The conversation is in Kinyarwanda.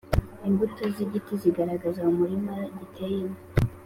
Imbuto z’igiti zigaragaza umurima giteyemo,